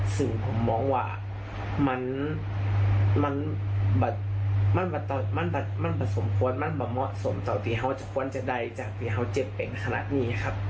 ซึ่งผมมองว่ามันสมควรมั่นมาเหมาะสมต่อที่เขาควรจะใดจากที่เขาเจ็บเป็นขนาดนี้ครับ